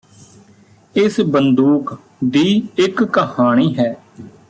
ਇਸ ਬੰਦੂਕ ਦੀ ਇਕ ਕਹਾਣੀ ਹੈ